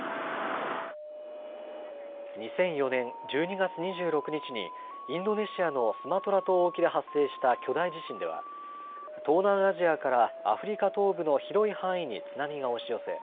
２００４年１２月２６日にインドネシアのスマトラ島沖で発生した巨大地震では東南アジアからアフリカ東部の広い範囲に津波が押し寄せ